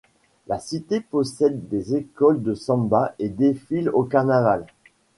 La cité possède des Écoles de Samba et défile au carnaval.